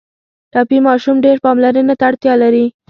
ټپي ماشوم ډېر پاملرنې ته اړتیا لري.